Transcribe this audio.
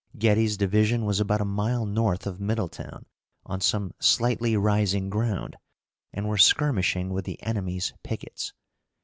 Getty's division was about a mile north of Middletown on some slightly rising ground, and were skirmishing with the enemy's pickets.